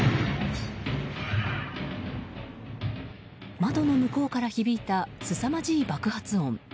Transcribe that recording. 窓の向こうから響いたすさまじい爆発音。